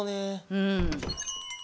うん。